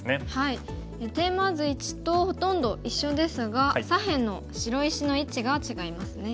テーマ図１とほとんど一緒ですが左辺の白石の位置が違いますね。